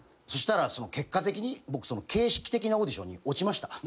そしたら結果的に僕その形式的なオーディションに落ちました。